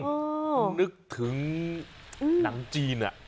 พรุ่งนึกถึงนางจีน